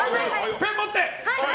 ペンもって！